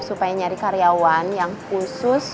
supaya nyari karyawan yang khusus